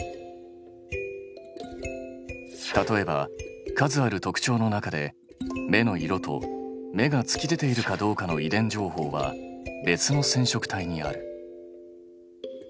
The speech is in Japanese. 例えば数ある特徴の中で目の色と目が突き出ているかどうかの遺伝情報は別の染色体にある。